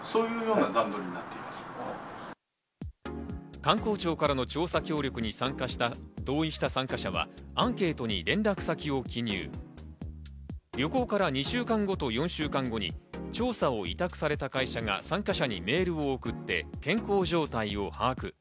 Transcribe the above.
観光庁からの調査協力に同意した参加者はアンケートに連絡先を記入、旅行から２週間後と４週間後に調査を委託された会社が参加者にメールを送って健康状態を把握。